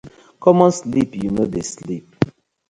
Common sleep yu no dey sleep.